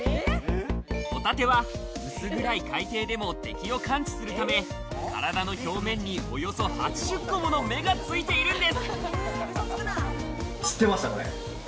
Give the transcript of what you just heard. ホタテは薄暗い海底でも敵を感知するため、体の表面におよそ８０個もの目がついているんです。